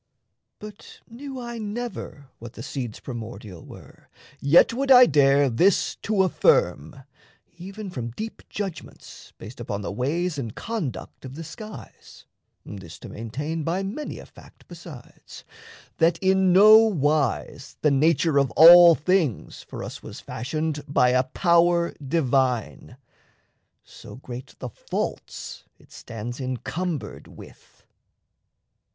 But knew I never what The seeds primordial were, yet would I dare This to affirm, even from deep judgments based Upon the ways and conduct of the skies This to maintain by many a fact besides That in no wise the nature of all things For us was fashioned by a power divine So great the faults it stands encumbered with.